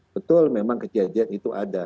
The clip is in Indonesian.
betul memang kejadian itu ada